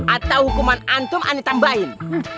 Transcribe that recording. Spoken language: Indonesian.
atau hukuman antum anak tambahin